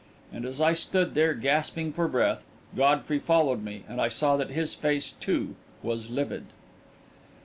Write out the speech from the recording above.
And as I stood there, gasping for breath, Godfrey followed me, and I saw that his face, too, was livid.